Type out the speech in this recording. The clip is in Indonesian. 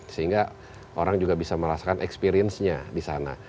sehingga orang juga bisa merasakan experience nya di sana